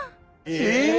ええ！